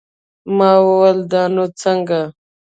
ما وويل دا نو څنگه.